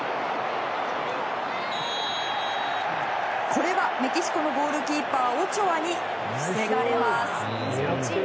これはメキシコのゴールキーパーオチョアに防がれます。